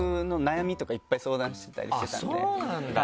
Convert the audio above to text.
そうなんだ！